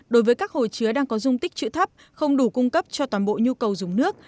đối với các hồ chứa đang có dung tích chữ thấp không đủ cung cấp cho toàn bộ nhu cầu dùng nước